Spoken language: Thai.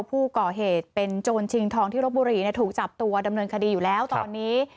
ผู้ก่อเหตุเป็นโจรชิงทองที่รบบุรีถูกจับตัวดำเนินคดีอยู่แล้วตอนนี้